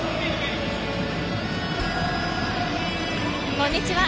こんにちは。